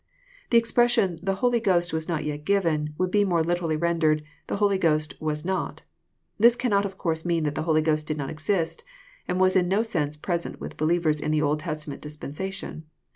The expression " the Holy Ghost was not yet given," would be more literally rendered, " the Holy Ghost was not." This cannot of conrse mean that the Holy Ghost did not exist, and was in no sense present with believers in the Old Testament dispensation.